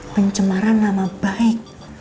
pencemaran nama baik